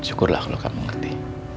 cukurlah kalo kamu ngerti